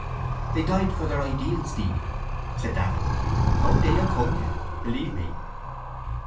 —They died for their ideals, Stevie, said Davin. Our day will come yet, believe me.